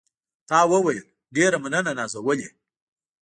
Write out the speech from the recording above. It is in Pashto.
تا وویل: ډېره مننه نازولې.